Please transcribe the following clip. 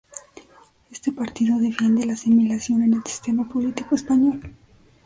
Este partido defiende la asimilación en el sistema político español.